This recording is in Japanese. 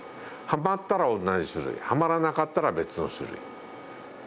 はまったら同じ種類はまらなかったら別の種類。